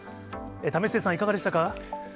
為末さん、いかがでしたか。